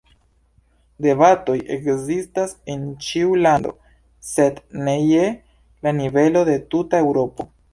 Debatoj ekzistas en ĉiu lando, sed ne je la nivelo de tuta Eŭropo.